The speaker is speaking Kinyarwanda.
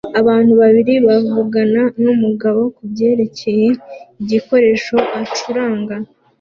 Abantu babiri bavugana numugabo kubyerekeye igikoresho acuranga